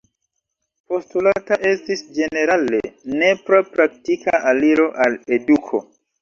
Postulata estis ĝenerale nepra praktika aliro al eduko.